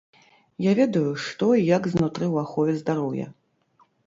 Я ведаю, што і як знутры ў ахове здароўя.